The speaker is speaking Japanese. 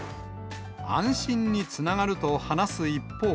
安心につながると話す一方。